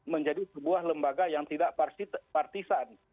menjadi sebuah lembaga yang tidak partisan